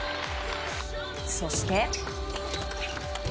そして。